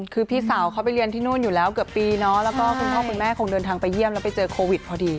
คือพี่สาวเขาไปเรียนที่นู่นอยู่แล้วเกือบปีเนาะแล้วก็คุณพ่อคุณแม่คงเดินทางไปเยี่ยมแล้วไปเจอโควิดพอดี